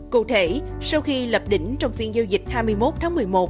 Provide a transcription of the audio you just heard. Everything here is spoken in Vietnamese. cụ thể sau khi lập đỉnh trong phiên giao dịch hai mươi một tháng một mươi một